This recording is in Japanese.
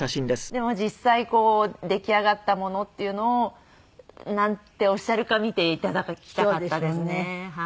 でも実際出来上がったものっていうのをなんておっしゃるか見て頂きたかったですね。